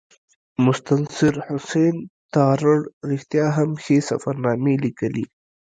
مستنصر حسین تارړ رښتیا هم ښې سفرنامې لیکلي.